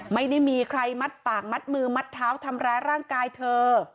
ไม่ได้มีใครมัดปากมัดมือมัดเท้าทำร้ายร่างกายเธอ